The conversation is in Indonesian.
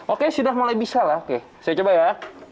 oke sudah mulai bisa lah oke saya coba ya